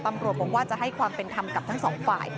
ตำรวจจะให้ความเป็นทำกับทั้งสองฝ่าย